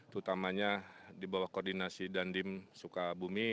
terutamanya di bawah koordinasi dandim sukabumi